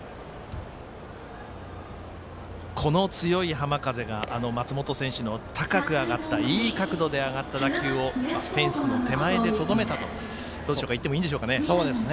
この強い浜風が松本選手のいい角度で上がった打球をフェンスの手前でとどめたと言っていいんでしょうかね。